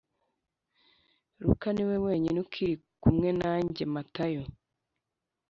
Luka ni we wenyine ukiri kumwe nanjye matayo